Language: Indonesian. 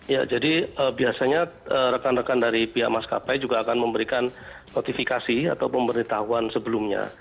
ya jadi biasanya rekan rekan dari pihak maskapai juga akan memberikan notifikasi atau pemberitahuan sebelumnya